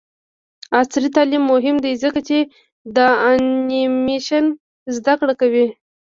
عصري تعلیم مهم دی ځکه چې د انیمیشن زدکړه کوي.